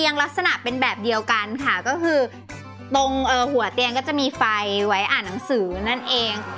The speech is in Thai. ลักษณะเป็นแบบเดียวกันค่ะก็คือตรงหัวเตียงก็จะมีไฟไว้อ่านหนังสือนั่นเอง